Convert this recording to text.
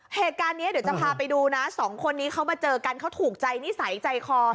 เหตุการณ์นี้เดี๋ยวจะพาไปดูนะสองคนนี้เขามาเจอกันเขาถูกใจนิสัยใจคอ